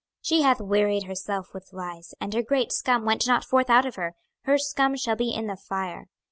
26:024:012 She hath wearied herself with lies, and her great scum went not forth out of her: her scum shall be in the fire.